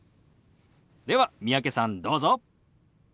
では三宅さんどうぞ。